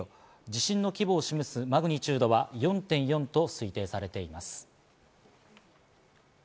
地震の規模を示すマグニチュードは４．４と推定されています。